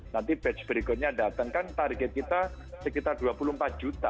nanti batch berikutnya datang kan target kita sekitar dua puluh empat juta